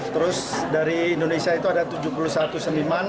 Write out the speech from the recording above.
terus dari indonesia itu ada tujuh puluh satu seniman